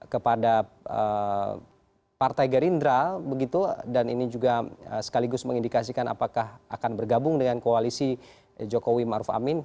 kepada partai gerindra begitu dan ini juga sekaligus mengindikasikan apakah akan bergabung dengan koalisi jokowi maruf amin